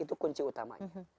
itu kunci utamanya